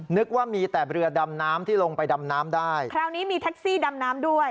นึกว่ามีแต่เรือดำน้ำที่ลงไปดำน้ำได้คราวนี้มีแท็กซี่ดำน้ำด้วย